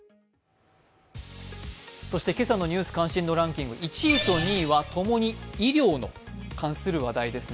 そして今朝の「ニュース関心度ランキング」１位と２位はともに医療に関する話題ですね。